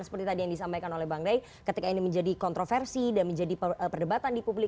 seperti tadi yang disampaikan oleh bang rey ketika ini menjadi kontroversi dan menjadi perdebatan di publik